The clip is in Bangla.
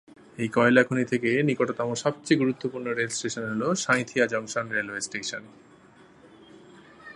এই কয়লা খনি থেকে নিকটতম সবচেয়ে গুরুত্বপূর্ণ রেল স্টেশন হল সাঁইথিয়া জংশন রেলওয়ে স্টেশন।